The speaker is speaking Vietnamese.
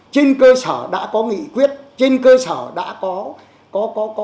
trên cơ sở đã có nghị quyết trên cơ sở đã có